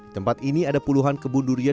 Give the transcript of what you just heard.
tempat ini ada puluhan kebun durian